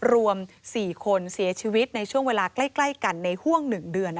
รวม๔คนเสียชีวิตในช่วงเวลาใกล้กันในห่วง๑เดือน